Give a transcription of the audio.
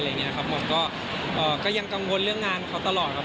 ผมก็ยังกังวลเรื่องงานเขาตลอดครับ